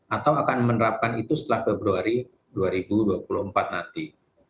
atau akan menerapkan itu setelah februari dua ribu dua puluh empat nanti